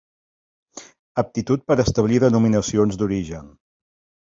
Aptitud per establir denominacions d'origen.